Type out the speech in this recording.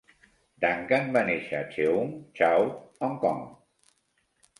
Duncan va néixer a Cheung Chau, Hong Kong.